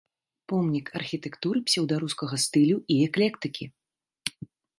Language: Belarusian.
Помнік архітэктуры псеўдарускага стылю і эклектыкі.